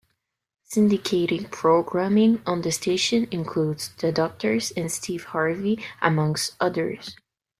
Syndicated programming on the station includes "The Doctors" and "Steve Harvey" among others.